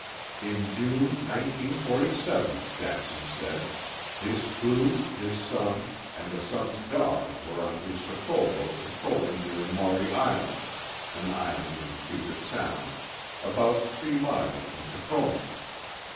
In June 1947, Jackson said, his crew, his son, and the son's dog were on his patrol boat patrolling near Maury Island, an island in Puget Sound, about 3 miles from Tacoma.